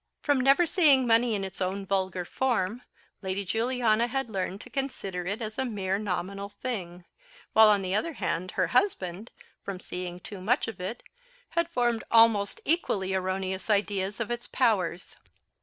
From never seeing money in its own vulgar form, Lady Juliana had learned to consider it as a mere nominal thing; while, on the other hand, her husband, from seeing too much of it, had formed almost equally erroneous ideas of its powers.